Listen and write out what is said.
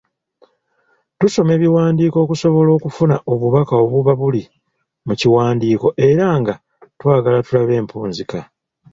Tusoma ebiwandiiko okusobola okufuna obubaka obuba buli mu kiwandiiko era nga twagala tulabe empunzika.